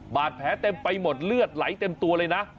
บาดแผลเต็มไปหมดเลือดไหลเต็มตัวเลยนะ